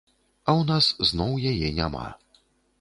А ў нас зноў яе няма.